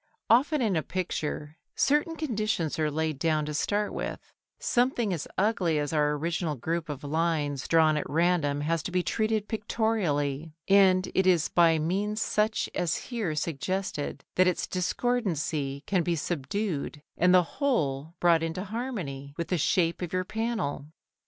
Often in a picture certain conditions are laid down to start with; something as ugly as our original group of lines drawn at random has to be treated pictorially, and it is by means such as here suggested that its discordancy can be subdued and the whole brought into harmony with the shape of your panel.